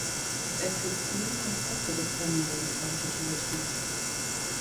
Es existieren Konzepte des familienfreundlichen Betriebs.